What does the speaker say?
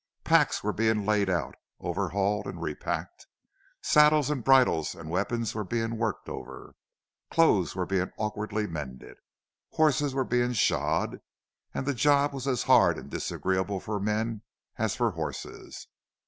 Packs were being laid out, overhauled, and repacked; saddles and bridles and weapons were being worked over; clothes were being awkwardly mended. Horses were being shod, and the job was as hard and disagreeable for men as for horses.